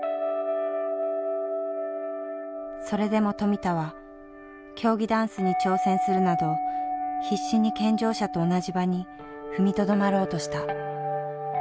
それでも富田は競技ダンスに挑戦するなど必死に健常者と同じ場に踏みとどまろうとした。